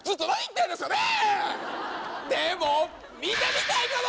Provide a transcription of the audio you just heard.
でも。